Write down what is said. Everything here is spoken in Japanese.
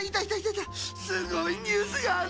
すごいニュースがあるんだよ。